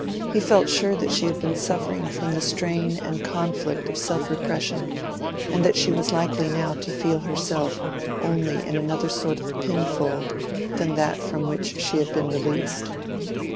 He felt sure that she had been suffering from the strain and conflict of self repression; and that she was likely now to feel herself only in another sort of pinfold than that from which she had been released.